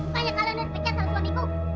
kayaknya kamu sudah pecat suamiku